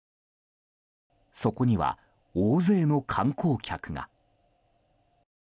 そこには大勢の観光客が。